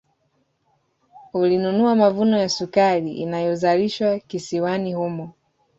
Ulinunua mavuno ya sukari inayozalishwa kisiwani humo